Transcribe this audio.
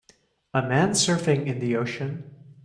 A man surfing in the ocean